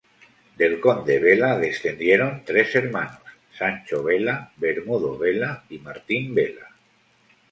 Del Conde Vela descendieron tres hermanos: Sancho Vela, Bermudo Vela y Martín Vela.